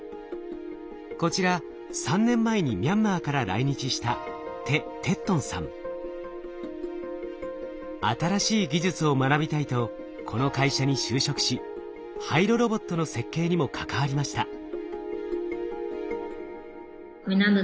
こちら３年前にミャンマーから来日した新しい技術を学びたいとこの会社に就職し廃炉ロボットの設計にも関わりました。